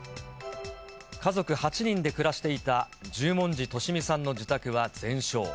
家族８人で暮らしていた十文字利美さんの自宅は全焼。